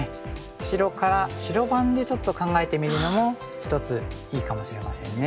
白から白番でちょっと考えてみるのも一ついいかもしれませんね。